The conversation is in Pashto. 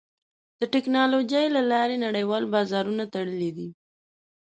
د ټکنالوجۍ له لارې نړیوال بازارونه تړلي دي.